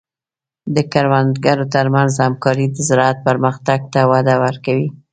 د کروندګرو تر منځ همکاري د زراعت پرمختګ ته وده ورکوي.